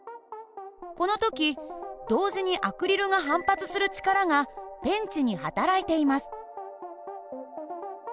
この時同時にアクリルが反発する力がペンチにはたらいています。